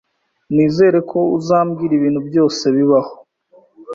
Nizere ko uzambwira ibintu byose bibaho